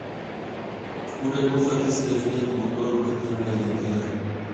Un recurso aquí se define como "todo lo que tiene una identidad".